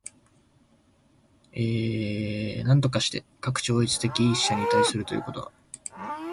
而して、かく超越的一者に対するということは、